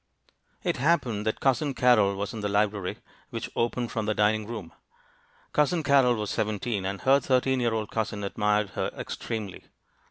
It happened that Cousin Carrol was in the library, which opened from the dining room. Cousin Carrol was seventeen, and her thirteen year old cousin admired her extremely.